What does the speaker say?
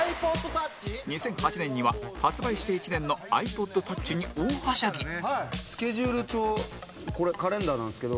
２００８年には発売して１年の ｉＰｏｄｔｏｕｃｈ に大ハシャギスケジュール帳これカレンダーなんですけど。